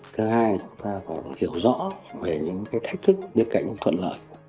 thứ hai chúng ta có hiểu rõ về những thách thức những cảnh thuận lợi